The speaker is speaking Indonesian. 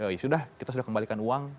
oh ya sudah kita sudah kembalikan uang